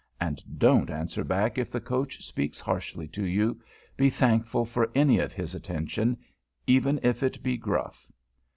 And don't answer back if the Coach speaks harshly to you; be thankful for any of his attention, even if it be gruff.